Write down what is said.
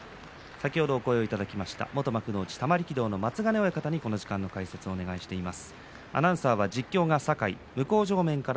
先ほどお声をいただきました玉力道の松ヶ根親方に解説をお願いしています。